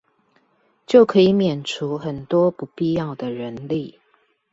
就可以免除很多不必要的人力